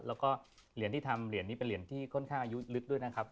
แล้วก็เหรียญที่ทำเป็นเหรียญที่เป็นคนข้างอายุฤทธิ์ด้วยนะครับ